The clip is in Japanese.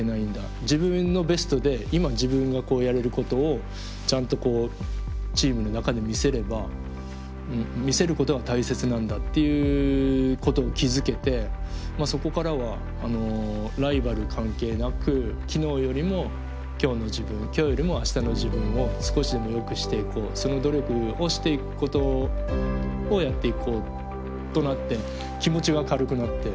自分のベストで今自分がやれることをちゃんとチームの中で見せれば見せることが大切なんだっていうことを気付けてまあそこからはライバル関係なく昨日よりも今日の自分今日よりも明日の自分を少しでもよくしていこうその努力をしていくことをやっていこうとなって気持ちが軽くなって。